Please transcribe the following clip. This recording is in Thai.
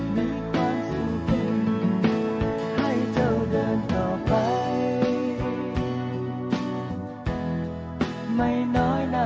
มีความสุขให้เจ้าเดินต่อไปไม่น้อยหน้าใครไฟ